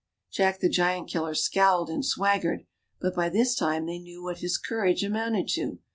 Jack the Giant killer scowled and SAvaggered ; but by this time they knew what his courage amounted to.